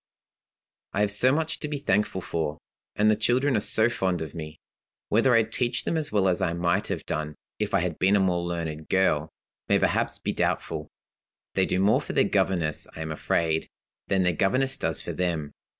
"I have so much to be thankful for, and the children are so fond of me. Whether I teach them as well as I might have done, if I had been a more learned girl, may perhaps be doubtful. They do more for their governess, I am afraid, than their governess does for them.